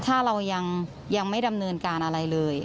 ถ้าเรายังไม่ดำเนินการอะไรเลย